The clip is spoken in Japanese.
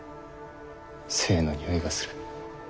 生のにおいがする。